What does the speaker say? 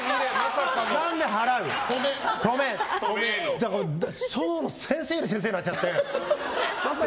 だから、先生よりも先生になっちゃって。